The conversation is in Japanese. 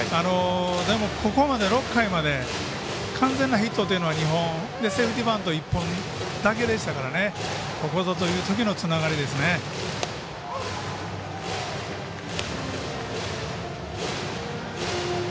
ここまで、６回まで完全なヒットっていうのは２本、セーフティーバント１本だけでしたからここぞというときのつながりですね。